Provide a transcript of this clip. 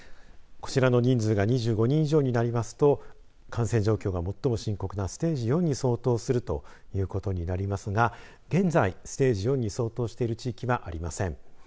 こちらの人数が２５人以上になりますと感染状況が最も深刻なステージ４に相当するということになりますが現在、ステージ４に相当している地域はありません。